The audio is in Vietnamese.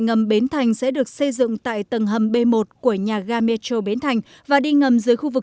ngầm bến thành sẽ được xây dựng tại tầng hầm b một của nhà ga metro bến thành và đi ngầm dưới khu vực